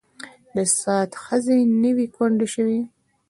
د سعد ښځې نه وې کونډې شوې.